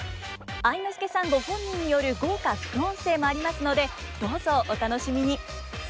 愛之助さんご本人による豪華副音声もありますのでどうぞお楽しみに！